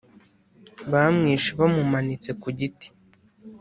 bamwishe bamumanitse ku giti